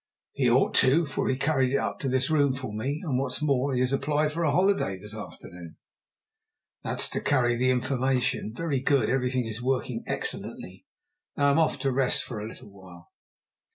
"He ought to, for he carried it up to this room for me; and, what's more, he has applied for a holiday this afternoon." "That's to carry the information. Very good; everything is working excellently. Now I'm off to rest for a little while."